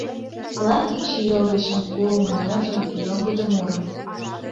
Лай кечыйол гычын куымо Ныжылге, йоҥгыдо мурым.